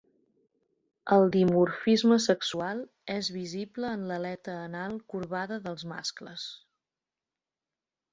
El dimorfisme sexual és visible en l'aleta anal corbada dels mascles.